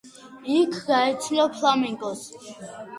იქ გაეცნო ფლამენკოს.